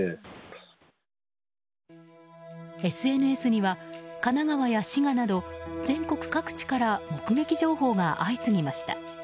ＳＮＳには神奈川や滋賀など全国各地から目撃情報が相次ぎました。